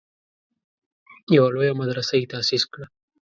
یوه لویه مدرسه یې تاسیس کړه.